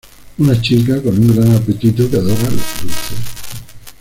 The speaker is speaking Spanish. Una chica con un gran apetito que adora los dulces.